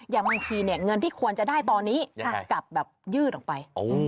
อย่างบางทีเนี่ยเงินที่ควรจะได้ตอนนี้กลับแบบยืดออกไป